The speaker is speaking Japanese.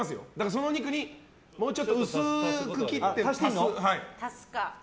その肉にもうちょっと薄く切って足す。